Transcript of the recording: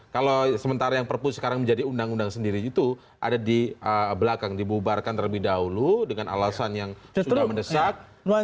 kalau sementara yang perpu sekarang menjadi undang undang sendiri itu ada di belakang dibubarkan terlebih dahulu dengan alasan yang sudah mendesak